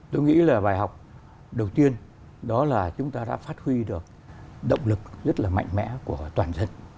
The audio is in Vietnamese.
tôi nghĩ là bài học đầu tiên đó là chúng ta đã phát huy được động lực rất là mạnh mẽ của toàn dân